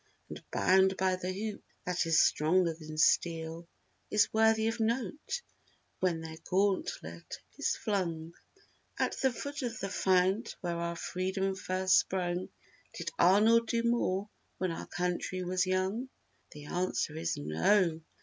And bound by "the hoop that is stronger than steel," Is worthy of note, when their gauntlet is flung At the foot of the fount where our Freedom first sprung. 202 Did Arnold do more when our country was young? The answer is "No!"